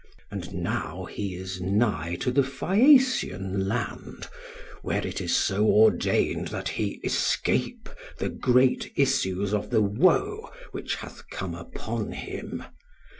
And now he is nigh to the Phaeacian land, where it is so ordained that he escape the great issues of the woe which hath come upon him.